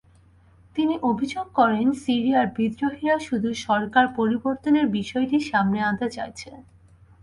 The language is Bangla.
তিনি অভিযোগ করেন, সিরিয়ার বিদ্রোহীরা শুধু সরকার পরিবর্তনের বিষয়টিই সামনে আনতে চাইছে।